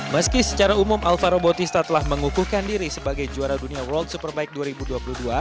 meski secara umum alvaro bautista telah mengukuhkan diri sebagai juara dunia world superbike dua ribu dua puluh dua